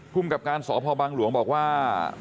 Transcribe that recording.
คุมกรรมการสพบางหลวงบอกว่า